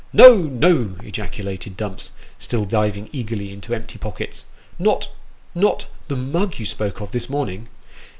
" No ! no !" ejaculated Dumps, still diving eagerly into his empty pockets. " Not not the mug you spoke of this morning